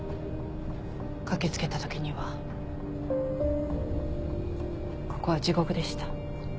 駆け付けたときにはここは地獄でした。